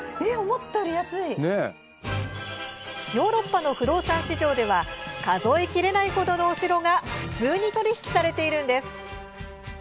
ヨーロッパの不動産市場では数えきれない程のお城が普通に取り引きされているんです。